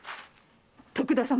徳田様